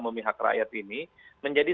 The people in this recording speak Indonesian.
memihak rakyat ini menjadi